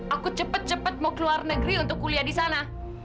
aku cepat cepat mau ke luar negeri untuk kuliah di sana